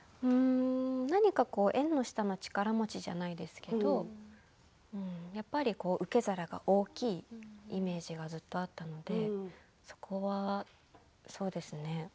何か縁の下の力持ちじゃないですけれどやっぱり受け皿が大きいイメージがずっとあったのでそこはそうですね